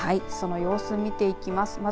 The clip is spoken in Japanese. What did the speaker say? はい、その様子を見ていきます。